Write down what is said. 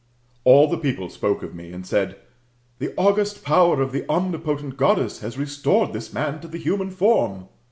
All the people spoke of me, and said, "The august power of the omnipotent Goddess has restored this man to the human form.